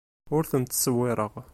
Ur tent-ttṣewwireɣ.